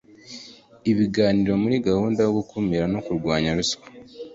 ibiganiro muri gahunda yo gukumira no kurwanya ruswa